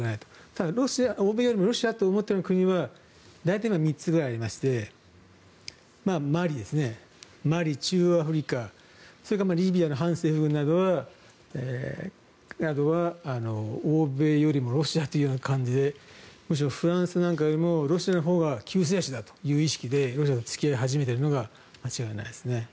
ただ、欧米よりもロシアと思っている国は大体３つくらいありましてマリ、中央アフリカそれからリビアの反政府軍などは欧米よりもロシアというような感じでむしろフランスなんかよりもロシアのほうが救世主だという意識でロシアと付き合い始めているのは間違いないですね。